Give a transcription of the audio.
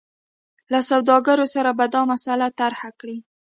له سوداګرو سره به دا مسله طرحه کړي.